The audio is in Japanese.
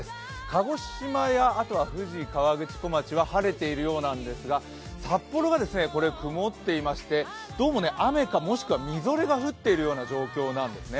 鹿児島や富士河口湖町は晴れているようなんですが札幌が曇っていまして、どうも雨か、もしくはみぞれが降っているような状況なんですよね。